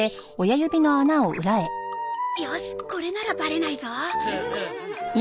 よしこれならバレないぞ。